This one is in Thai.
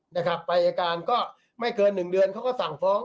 นะครับไปอายการก็ไม่เกิน๑เดือนเขาก็สั่งฟ้อง